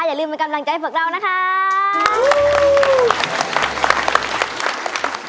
ขอบคุณกันให้ฝักเรานะครับ